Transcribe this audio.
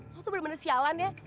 wah tuh bener bener sialan ya